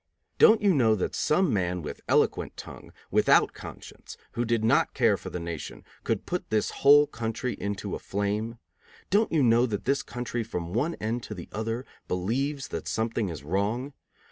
Don't you know that some man with eloquent tongue, without conscience, who did not care for the nation, could put this whole country into a flame? Don't you know that this country from one end to the other believes that something is wrong?